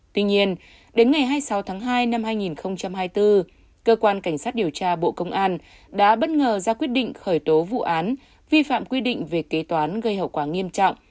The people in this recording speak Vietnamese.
tuy nhiên đến ngày hai mươi sáu tháng hai năm hai nghìn hai mươi bốn cơ quan cảnh sát điều tra bộ công an đã bất ngờ ra quyết định khởi tố vụ án vi phạm quy định về kế toán gây hậu quả nghiêm trọng